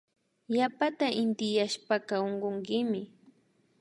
Yapata intiyashpaka unkunkimi